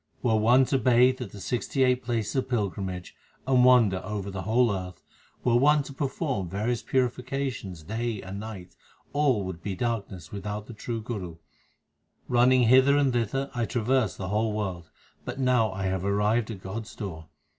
Were one to bathe at the sixty eight places of pilgrimage and wander over the whole earth, Were one to perform various purifications day and night, all would be darkness without the true Guru. Running hither and thither, I traversed the whole world, but now I have arrived at God s door.